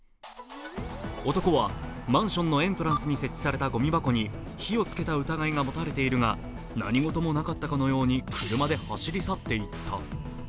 男はマンションのエントランスに設置されたごみ箱に火をつけた疑いが持たれているが、何ごともなかったかのように車で走り去っていった。